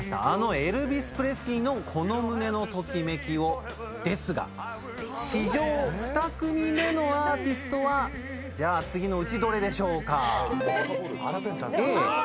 あのエルヴィス・プレスリーの『この胸のときめきを』ですが史上２組目のアーティストは次のうちどれでしょうか？